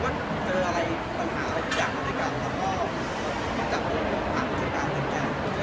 ก็จะว่าอย่างนั้นก็ประทานกับไทยจะดีกว่าไปไหนดีกว่า